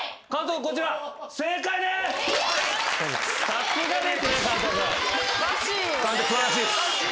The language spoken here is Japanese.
さすがですね監督。